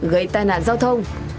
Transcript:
gây tai nạn giao thông